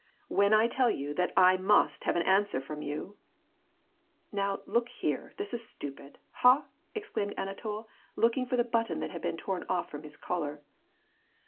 " When I tell you that I mtist have an answer from you ?"" Now, look here, this is stupid ! Ha ?" exclaimed Anatol, looking for the button that had been torn off from his collar.